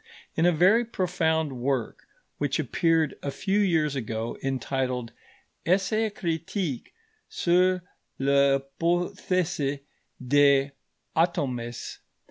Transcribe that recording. In a very profound work which appeared a few years ago, entitled Essai critique sur l'hypothese des atomes, M.